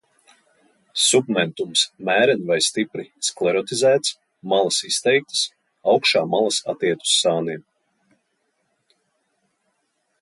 Submentums mēreni vai stipri sklerotizēts, malas izteiktas, augšā malas atiet uz sāniem.